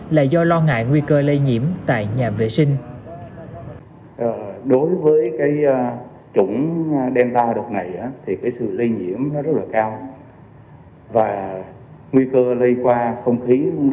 là do lo ngại nguy cơ lây nhiễm tại nhà vệ sinh